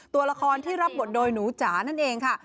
ตัวละครที่รับบทโดยหนูจ๋านั่นเองค่ะ